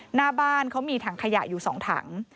หน้าบ้านเขามีถังขยะอยู่๒ถัง